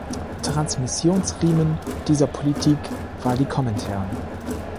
Transmissionsriemen dieser Politik war die Komintern.